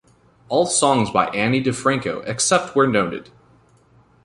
All songs by Ani DiFranco, except where noted.